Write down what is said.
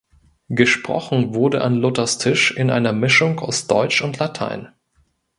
Gesprochen wurde an Luthers Tisch in einer Mischung aus Deutsch und Latein.